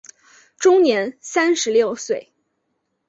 终年三十六岁。